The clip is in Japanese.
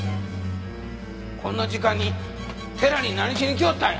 こんな時間に寺に何しに来よったんや？